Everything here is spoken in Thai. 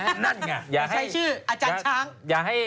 จงไม่ใช่ชื่ออาจารย์ชัง